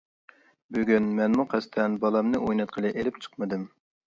بۈگۈن مەنمۇ قەستەن بالامنى ئويناتقىلى ئېلىپ چىقمىدىم.